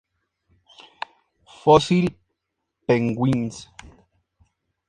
Fossil penguins.